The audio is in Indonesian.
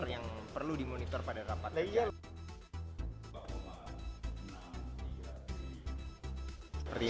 yang perlu dimonitor pada rapat